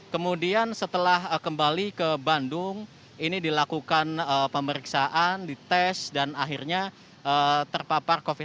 kemudian setelah kembali ke bandung ini dilakukan pemeriksaan dites dan akhirnya terpapar covid sembilan belas